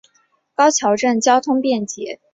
高桥镇交通便捷。